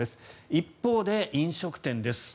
一方で、飲食店です。